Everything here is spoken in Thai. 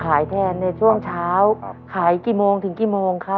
ขายแทนในช่วงเช้าขายกี่โมงถึงกี่โมงครับ